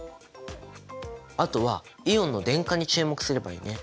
あとはイオンの電荷に注目すればいいね。